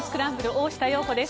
大下容子です。